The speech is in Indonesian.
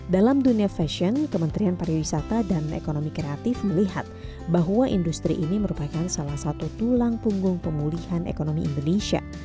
dalam dunia fashion kementerian pariwisata dan ekonomi kreatif melihat bahwa industri ini merupakan salah satu tulang punggung pemulihan ekonomi indonesia